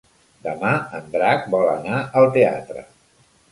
Demà en Drac vol anar al teatre.